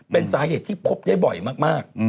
เป็นสาเหตุที่พบได้บ่อยมาก